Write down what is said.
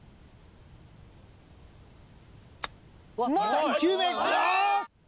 ３球目あ！